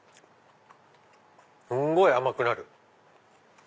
すんごい甘くなる。